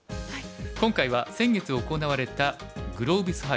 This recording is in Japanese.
今回は先月行われたグロービス杯